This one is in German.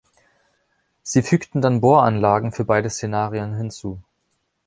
Sie fügten dann Bohranlagen für beide Szenarien hinzu.